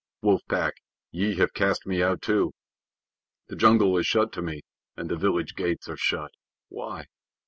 Wolf Pack, ye have cast me out too. The jungle is shut to me and the village gates are shut. Why?